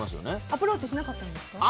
アプローチしなかったんですか？